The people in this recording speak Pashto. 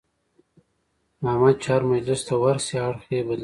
احمد چې هر مجلس ته ورشي اړخ یې بدلوي.